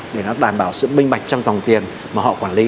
để nó đảm bảo sự minh bạch trong dòng tiền mà họ quản lý